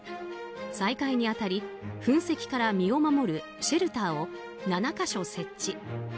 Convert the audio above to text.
再開に当たり噴石から身を守るシェルターを７か所設置。